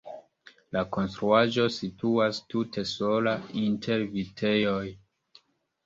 La konstruaĵo situas tute sola inter vitejoj.